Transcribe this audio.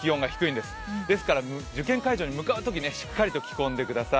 ですから受験会場に向かうとき、しっかり着込んでください。